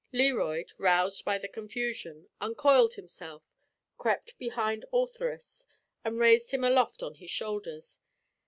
Learoyd, roused by the confusion, uncoiled himself, crept behind Ortheris, and raised him aloft on his shoulders.